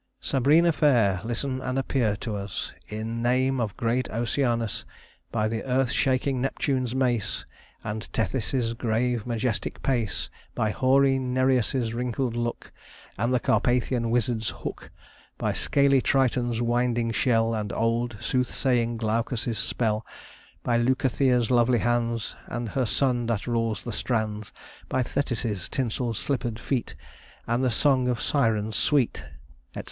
"Sabrina fair ... Listen and appear to us, In name of great Oceanus, By the earth shaking Neptune's mace, And Tethy's grave majestic pace; By hoary Nereus' wrinkled look, And the Carpathian wizard's hook, By scaly Triton's winding shell, And old soothsaying Glaucus' spell, By Leucothea's lovely hands, And her son that rules the strands; By Thetis' tinsel slippered feet, And the song of Sirens sweet;" etc.